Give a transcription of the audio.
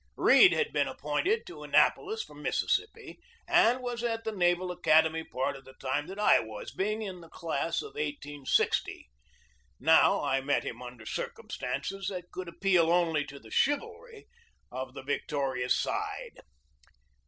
Read had been appointed to Annapolis from Mississippi, and was at the Naval Academy part of the time that I was, being in the class of 1860. Now, I met him under circumstances that could appeal only to the chivalry of the victorious side.